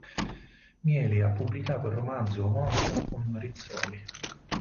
Mieli ha pubblicato il romanzo omonimo con Rizzoli.